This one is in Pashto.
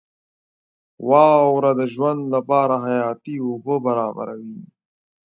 • واوره د ژوند لپاره حیاتي اوبه برابروي.